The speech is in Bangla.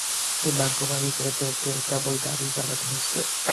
তুই ভাগ্যবান যে তোকে কেবল গাড়িই চালাতে হচ্ছে।